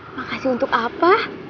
makasih untuk apa